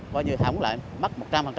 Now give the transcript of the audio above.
bao nhiêu thống lại mất một trăm linh